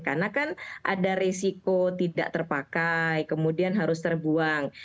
karena kan ada resiko tidak terpakai kemudian harus terbuang